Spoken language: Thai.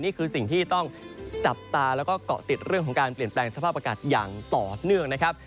นี่คือสิ่งที่ต้องจับตาแล้วก็เกาะติดเรื่องของการเปลี่ยนแปลงสภาพอากาศอย่างต่อเนื่องนะครับ